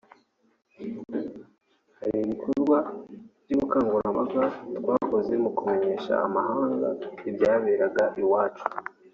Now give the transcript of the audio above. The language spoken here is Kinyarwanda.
hari n’ibikorwa by’ubukangurambaga twakoze mu kumenyesha amahanga ibyaberaga iwacu